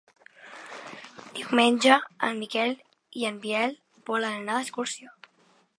Diumenge en Miquel i en Biel volen anar d'excursió.